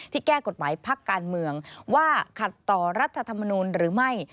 แก้กฎหมายพักการเมืองว่าขัดต่อรัฐธรรมนูลหรือไม่